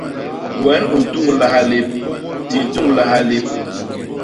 Wen u ntuñglaha lép; di ntuñglaha lép.